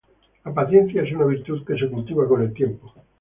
La paciencia es una virtud que se cultiva con el tiempo.